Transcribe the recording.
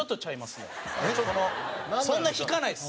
そんな引かないです。